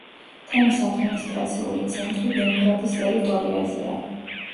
თემის ადმინისტრაციული ცენტრი ბელგრადის ტერიტორიაზეა.